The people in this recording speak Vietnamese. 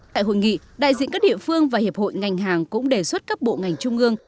tại hội nghị đại diện các địa phương và hiệp hội ngành hàng cũng đề xuất các bộ ngành trung ương